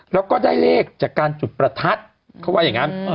แล้วก็ได้เลขจากการจุดประทัดเขาว่าอย่างนั้น